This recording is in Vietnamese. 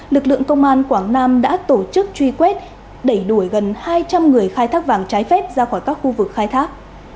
lực lượng công an quảng nam đã tổ chức truy quét đẩy đuổi gần hai trăm linh người khai thác vàng trái phép ra khỏi các khu vực khai thác